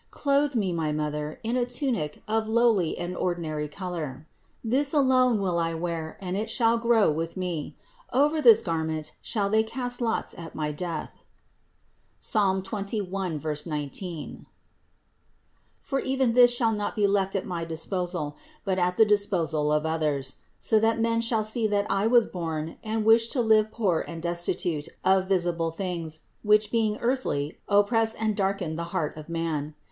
Clothe Me, my Mother, in a tunic of a lowly and ordinary color. This alone will I wear, and it shall grow with Me. Over this garment shall they cast lots at my death (Ps. 21, 19) ; for even this shall not be left at my disposal, but at the disposal of others ; so that men shall see that I was born and wish to live poor and destitute 586 CITY OF GOD t of visible things, which being earthly, oppress and darken the heart of man.